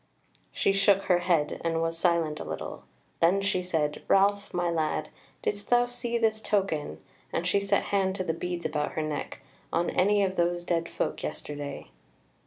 She shook her head, and was silent a little; then she said: "Ralph, my lad, didst thou see this token (and she set hand to the beads about her neck) on any of those dead folk yesterday?"